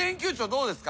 どうですか？